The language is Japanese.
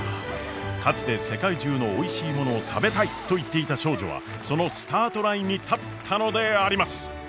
かつて世界中のおいしいものを食べたいと言っていた少女はそのスタートラインに立ったのであります！